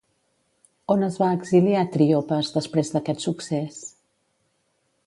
On es va exiliar Tríopas després d'aquest succés?